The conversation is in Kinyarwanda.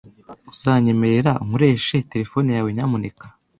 Uzanyemerera nkoreshe terefone yawe, nyamuneka?